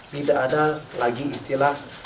tidak ada lagi istilah